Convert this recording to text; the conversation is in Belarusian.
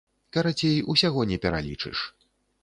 Карацей, усяго не пералічыш.